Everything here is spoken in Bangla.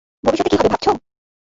ভবিষ্যতে কি হবে ভাবছো?